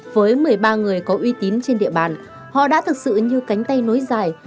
với một mươi ba người có uy tín trên địa bàn họ đã thực sự như cánh tay nối dài